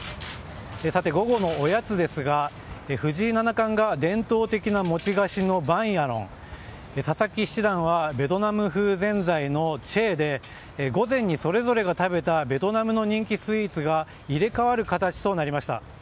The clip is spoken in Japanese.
午後のおやつですが、藤井七冠が伝統的な餅菓子のバンヤロン佐々木七段はベトナム風ぜんざいのチェーで午前にそれぞれが食べたベトナムの人気スイーツが入れ替わる形となりました。